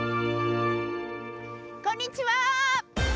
こんにちは！